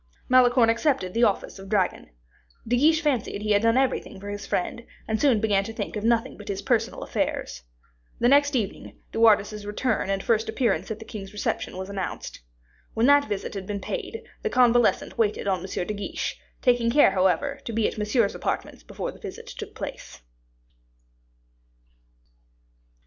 Malicorne accepted the office of dragon. De Guiche fancied he had done everything for his friend, and soon began to think of nothing but his personal affairs. The next evening, De Wardes's return and first appearance at the king's reception were announced. When that visit had been paid, the convalescent waited on Monsieur; De Guiche taking care, however, to be at Monsieur's apartments before the visit took place.